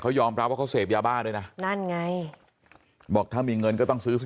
เขายอมรับว่าเขาเสพยาบ้าด้วยนะนั่นไงบอกถ้ามีเงินก็ต้องซื้อสัก